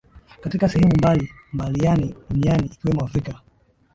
katika sehemu mbali mbaliani duniani ikiwemo Afrika